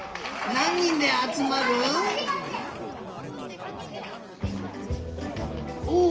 なんにんであつまる？おお！